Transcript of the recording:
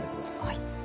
はい。